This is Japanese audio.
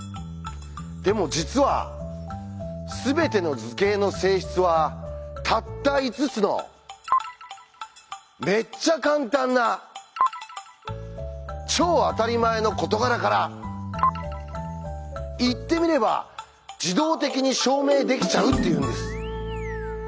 でも実は全ての図形の性質はたった５つのめっちゃカンタンな超あたりまえの事柄から言ってみれば自動的に証明できちゃうっていうんです。